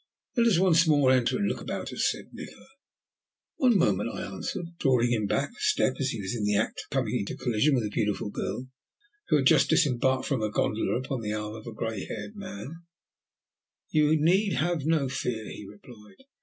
"Let us once more enter and look about us," said Nikola. "One moment," I answered, drawing him back a step as he was in the act of coming into collision with a beautiful girl who had just disembarked from her gondola upon the arm of a grey haired man. "You need have no fear," he replied.